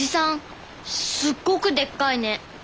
すっごくでっかいね。